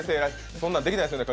そんなんできないですよね